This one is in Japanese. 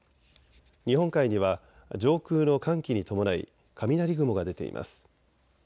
日本海には上空の寒気に伴い雷雲が出ています。